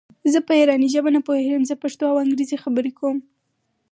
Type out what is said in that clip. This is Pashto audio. زه په ایراني ژبه نه پوهېږم زه پښتو او انګرېزي خبري کوم.